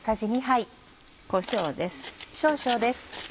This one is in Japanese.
こしょうです。